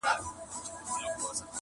په ګوزار یې د مرغه زړګی خبر کړ-